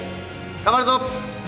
頑張るぞ！